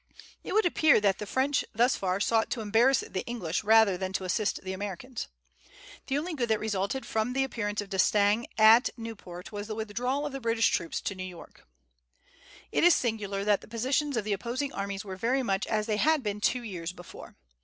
It would appear that the French, thus far, sought to embarrass the English rather than to assist the Americans. The only good that resulted from the appearance of D'Estaing at Newport was the withdrawal of the British troops to New York. It is singular that the positions of the opposing armies were very much as they had been two years before.